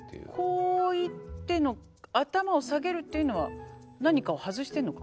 こういっての頭を下げるっていうのは何かを外してるのか？